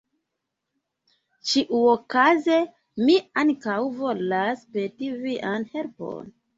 Ĉiuokaze mi ankaŭ volas peti vian helpon.